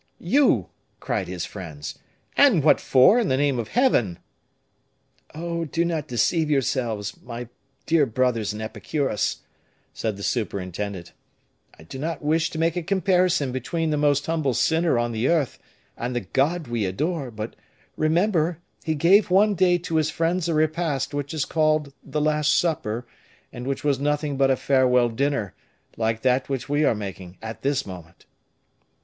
"You!" cried his friends; "and what for, in the name of Heaven!" "Oh! do not deceive yourselves, my dear brothers in Epicurus," said the superintendent; "I do not wish to make a comparison between the most humble sinner on the earth, and the God we adore, but remember, he gave one day to his friends a repast which is called the Last Supper, and which was nothing but a farewell dinner, like that which we are making at this moment."